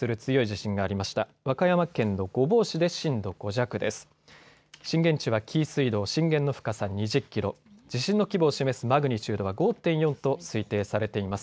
震源地は紀伊水道、震源の深さ２０キロ、地震の規模を示すマグニチュードは５．４と推定されています。